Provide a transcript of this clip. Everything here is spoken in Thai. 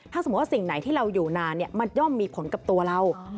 ถ้าสมมุติว่าสิ่งไหนที่เราอยู่นานมันย่อมมีผลกับตัวเรา